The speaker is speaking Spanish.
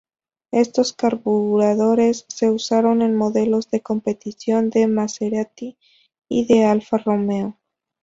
Estos carburadores se usaron en modelos de competición de Maserati y de Alfa Romeo.